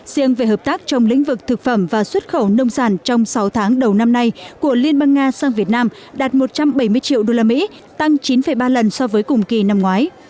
riêng về hợp tác trong lĩnh vực thực phẩm và xuất khẩu nông sản trong sáu tháng đầu năm nay của liên bang nga sang việt nam đạt một trăm bảy mươi triệu usd tăng chín ba lần so với cùng kỳ năm ngoái